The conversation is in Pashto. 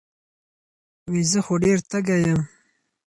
وې زۀ خو ډېر تږے يم